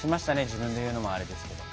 自分で言うのもあれですけど。